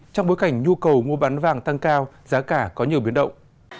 trong bối cảnh nhu cầu mua bán vàng tăng cao giá cả có nhiều biến động